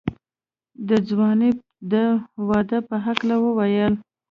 د ځوانۍ د دوا په هکله يې وويل.